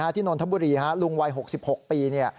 นนทบุรีลุงวัย๖๖ปี